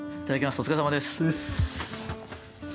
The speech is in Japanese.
お疲れさまです。